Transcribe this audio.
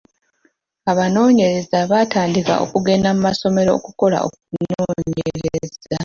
Abanoonyereza baatandika okugenda mu masomero okukola okunoonyereza.